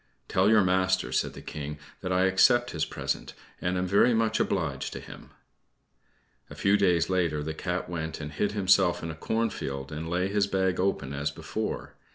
"Tell your master," said the King, "that I accept his present, and am very much obliged to him." A few days later, the Cat went and hid himself in a cornfield and laid his bag open as before.